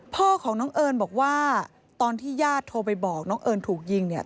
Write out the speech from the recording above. พ่อของน้องเอิญบอกว่าตอนที่ญาติโทรไปบอกน้องเอิญถูกยิงเนี่ย